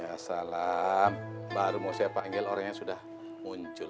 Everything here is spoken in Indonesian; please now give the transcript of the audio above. assalamualaikum baru mau saya panggil orang yang sudah muncul